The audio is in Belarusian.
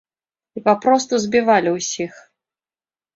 І папросту збівалі ўсіх!